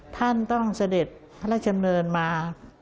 ท่านต้องเสด็จพระราชดำเนินมา